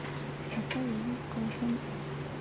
Ата юлын ҡыуһын ул.